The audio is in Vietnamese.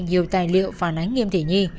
nhiều tài liệu phản ánh nhiêm thị nhi